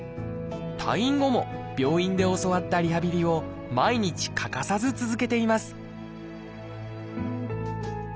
退院後も病院で教わったリハビリを毎日欠かさず続けています